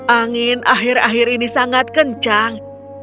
angin akhir akhir ini sangat kencang